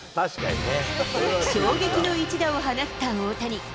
衝撃の一打を放った大谷。